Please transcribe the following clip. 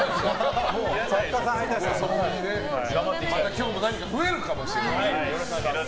今日も何か増えるかもしれません。